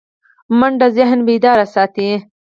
منډه ذهن بیدار ساتي